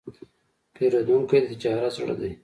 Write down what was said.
پیرودونکی د تجارت زړه دی.